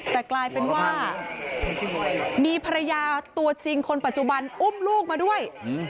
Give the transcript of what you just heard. แต่กลายเป็นว่ามีภรรยาตัวจริงคนปัจจุบันอุ้มลูกมาด้วย